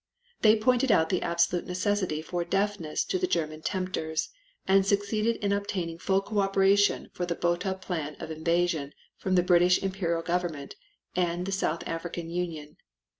They pointed out the absolute necessity for deafness to the German tempters, and succeeded in obtaining full co operation for the Botha plan of invasion from the British Imperial Government and the South African Union.